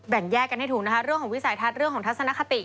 แยกกันให้ถูกนะคะเรื่องของวิสัยทัศน์เรื่องของทัศนคติ